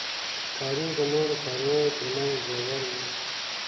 ښکاري د نورو څارویو تر منځ زړور دی.